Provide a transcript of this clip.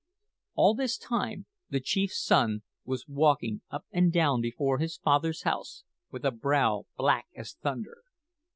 "All this time the chief's son was walking up and down before his father's house with a brow black as thunder.